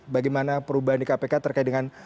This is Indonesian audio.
bagaimana perubahan di kpk terkait dengan